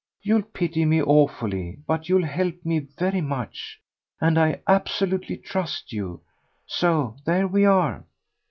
You'll pity me awfully, but you'll help me very much. And I absolutely trust you. So there we are."